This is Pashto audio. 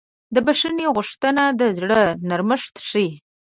د بښنې غوښتنه د زړه نرمښت ښیي.